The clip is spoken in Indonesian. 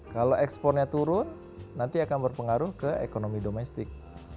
kalau ekspornya turun nanti akan berpengaruh ke ekonomi domestik